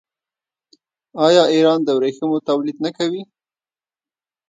آیا ایران د ورېښمو تولید نه کوي؟